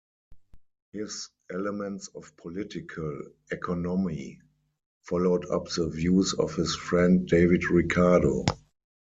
His "Elements of Political Economy" followed up the views of his friend David Ricardo.